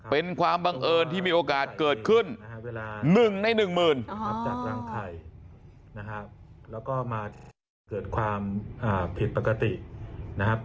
เป็นความบังเอิญที่มีโอกาสเกิดขึ้น๑ใน๑หมื่นแล้วก็มาเกิดความผิดปกตินะครับ